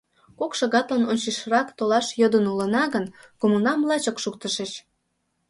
Кок шагатлан ончычрак толаш йодын улына гын, кумылнам лачак шуктышыч.